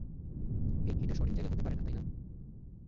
হেই, এটা সঠিক জায়গা হতে পারে না, তাই না?